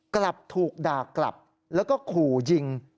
กลับถูกด่ากลับแล้วก็ขู่ยิง